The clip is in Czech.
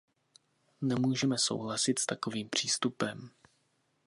Nemůžeme souhlasit s takovým přístupem.